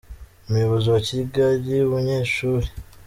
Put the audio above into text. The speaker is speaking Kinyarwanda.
Umuyobozi wa Kigali, Bunyeshuri.